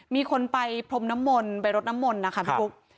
มีคนไปพรมน้ำมนต์ไปรดน้ำมนต์นะคะพี่ปุ๊ก